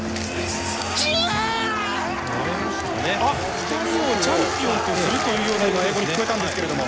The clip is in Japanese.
２人をチャンピオンとするというような英語に聞こえたんですけれども。